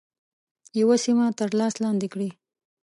یوه سیمه تر لاس لاندي کړي.